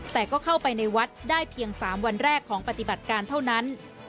แต่ก็เข้าไปในวัดได้เพียง๓วันแรกของปฏิบัติการเท่านั้น